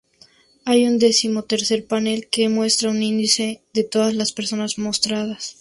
Hay un decimotercer panel que muestra un índice de todas las personas mostradas.